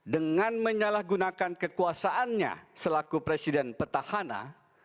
dengan menyalahgunakan kekuasaannya selaku presiden petahana